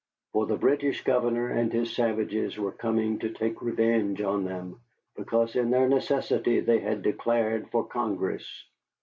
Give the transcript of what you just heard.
For the British governor and his savages were coming to take revenge on them because, in their necessity, they had declared for Congress.